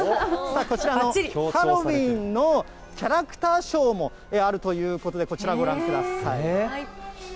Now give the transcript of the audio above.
さあ、こちらのハロウィーンのキャラクターショーもあるということで、こちらご覧ください。